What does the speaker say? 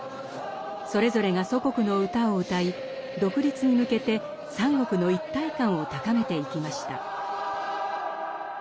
それぞれが祖国の歌を歌い独立に向けて三国の一体感を高めていきました。